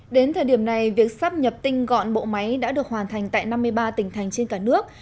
đến thời điểm này việc sắp nhập tinh gọn bộ máy đã được hoàn thành tại năm mươi ba tỉnh thành trên cả nước